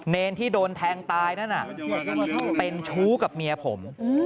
เนรที่โดนแทงตายนั่นน่ะเป็นชู้กับเมียผม